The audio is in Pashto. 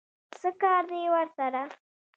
څه کار دی ورسره؟